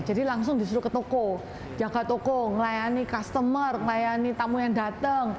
jadi langsung disuruh ke toko jangka toko ngelayani customer ngelayani tamu yang datang